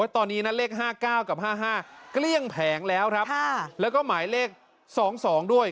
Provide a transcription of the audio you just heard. ตอนนี้นะเลขห้าเก้ากับห้าห้าเกลี้ยงแผงแล้วครับค่ะแล้วก็หมายเลขสองสองด้วย